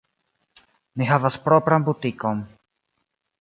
Ni havas propran butikon.